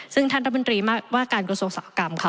ซึ่งท่านรัฐมนตรีว่าการกระทรวงอุตสาหกรรมค่ะ